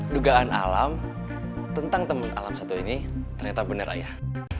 dugaan alam tentang teman alam satu ini ternyata benar ayah